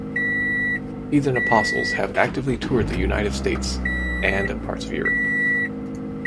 Heathen Apostles have actively toured the United States and parts of Europe.